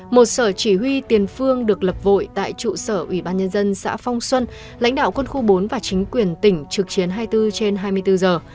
một sở chỉ huy tiền phương được lập vội tại trụ sở ủy ban nhân dân xã phong xuân lãnh đạo quân khu bốn và chính quyền tỉnh trực chiến hai mươi bốn trên hai mươi bốn giờ